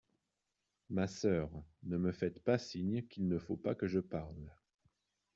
Ma soeur, ne me faites pas signe qu'il ne faut pas que je parle.